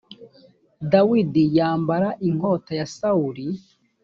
dawidi yambara inkota ya sawuli